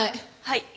はい。